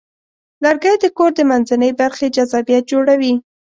لرګی د کور د منځنۍ برخې جذابیت جوړوي.